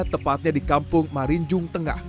tepatnya di kampung marinjung tengah